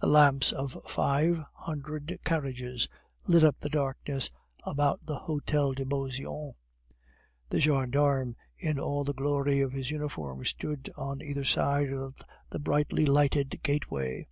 The lamps of five hundred carriages lit up the darkness about the Hotel de Beauseant. A gendarme in all the glory of his uniform stood on either side of the brightly lighted gateway.